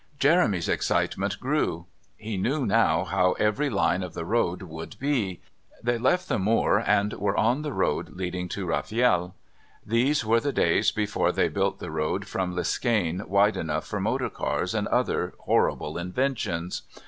Jeremy's excitement grew. He knew now how every line of the road would be. They left the moor and were on the road leading to Rafield. These were the days before they built the road from Liskane wide enough for motor cars and other horrible inventions.